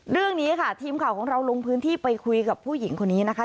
เรื่องนี้ค่ะทีมข่าวของเราลงพื้นที่ไปคุยกับผู้หญิงคนนี้นะคะ